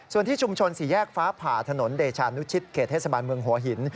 ส่วนที่ชุมชนสี่แยกฟ้าผ่าถนนเดชานุชิตเขตเทศบาลเมืองหัวหิน